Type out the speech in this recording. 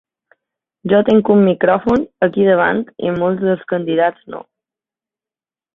Jo tinc un micròfon aquí davant i molts dels candidats no.